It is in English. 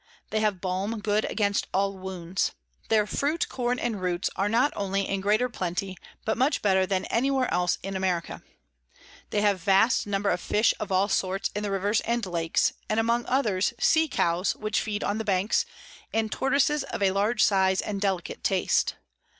They have Balm good against all Wounds. Their Fruit, Corn, and Roots, are not only in greater plenty, but much [Sidenote: Account of the River Amazons.] better than any where else in America. They have vast number of Fish of all sorts in the Rivers and Lakes; and among others, Sea Cows, which feed on the Banks, and Tortoises of a large Size and delicate Taste.